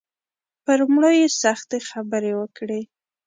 پر مړو یې سختې خبرې وکړې.